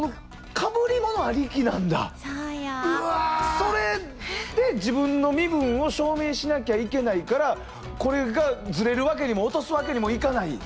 それで自分の身分を証明しなきゃいけないからこれがずれるわけにも落とすわけにもいかない。